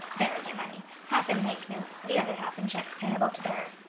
There is your money,—half in bank notes, the other half in checks payable to bearer.